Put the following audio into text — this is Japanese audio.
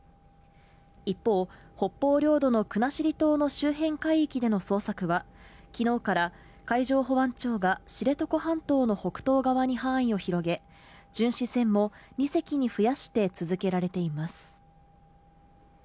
一方、北方領土の国後島の周辺海域での捜索は今日から海上保安庁が知床半島の北東側に範囲を広げ巡視船も２隻に増やして続けられています。